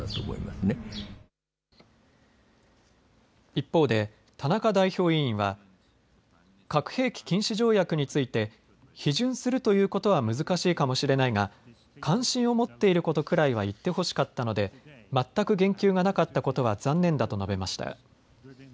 一方で田中代表委員は、核兵器禁止条約について批准するということは難しいかもしれないが関心を持っていることくらいは言ってほしかったので全く言及がなかったことは残念だと述べました。